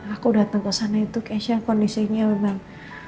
aku datang ke sana itu ke syang kondisinya memang